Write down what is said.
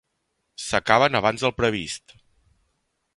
S'acaben abans del previst.